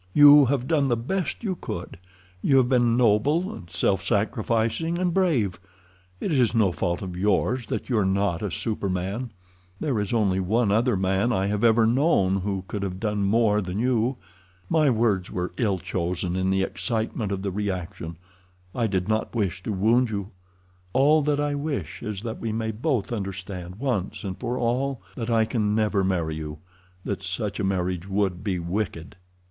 "You have done the best you could. You have been noble, and self sacrificing, and brave. It is no fault of yours that you are not a superman. There is only one other man I have ever known who could have done more than you. My words were ill chosen in the excitement of the reaction—I did not wish to wound you. All that I wish is that we may both understand once and for all that I can never marry you—that such a marriage would be wicked."